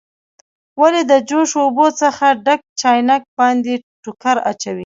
ولې د جوش اوبو څخه ډک چاینک باندې ټوکر اچوئ؟